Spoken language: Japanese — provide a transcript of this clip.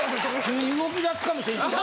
急に動きだすかも知れんしな。